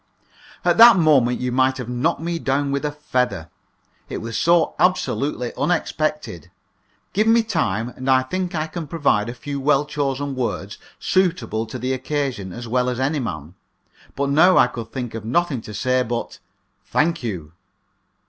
At that moment you might have knocked me down with a feather; it was so absolutely unexpected. Give me time, and I think I can provide a few well chosen words suitable to the occasion as well as any man. But now I could think of nothing to say but "Thank you."